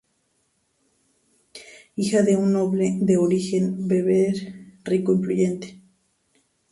Hija de un noble de origen bereber, rico e influyente.